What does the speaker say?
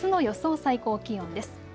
最高気温です。